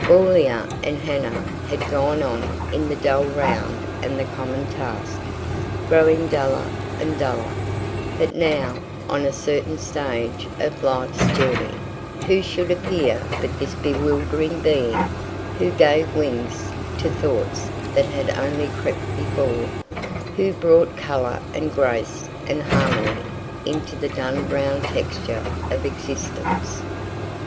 Aurelia and Hannah had gone on in the dull round and the common task, growing duller and duller; but now, on a certain stage of life's journey, who should appear but this bewildering being, who gave wings to thoughts that had only crept before; who brought color and grace and harmony into the dun brown texture of existence.